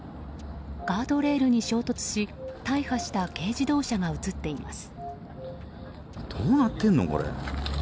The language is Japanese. ガードレールに衝突し大破した軽自動車が映っています。